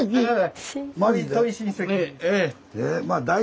・はい！